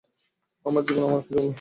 আমার জীবন আমার কাছে মূল্যবান।